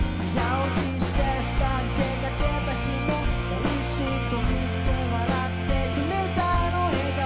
「おいしいと言って笑ってくれたあの笑顔も」